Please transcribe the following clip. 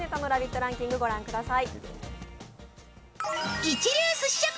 ランキングを御覧ください。